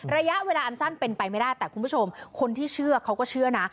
ระยะเวลาอันสั้นเป็นไปไม่ได้แต่คุณผู้ชมคนที่เชื่อเขาก็เชื่อนะ